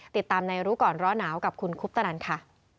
ติดตามในรู้ก่อนร้อนหนาวกับคุณคุปตนันค่ะ